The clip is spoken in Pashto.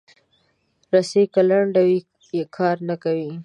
رسۍ که لنډه وي، کار نه کوي.